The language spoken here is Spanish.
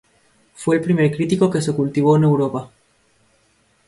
Fue el primer cítrico que se cultivó en Europa.